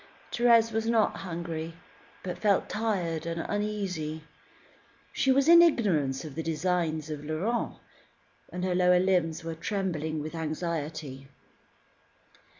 Thérèse was not hungry; but felt tired and uneasy. She was in ignorance as to the designs of Laurent, and her lower limbs were trembling with anxiety.